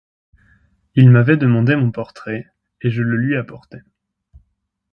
Il m'avait demandé mon portrait, et je le lui apportais.